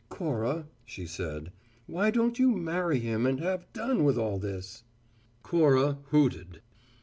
"Cora," she said, "why don't you marry him and have done with all this?" Cora hooted.